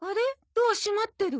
ドア閉まってる。